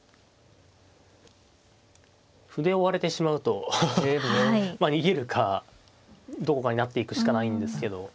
歩で追われてしまうとまあ逃げるかどこかに成っていくしかないんですけど。